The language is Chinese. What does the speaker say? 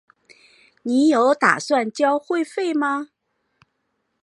你有打算缴会费吗？